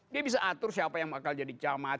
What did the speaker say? dia bisa atur siapa yang bakal jadi camat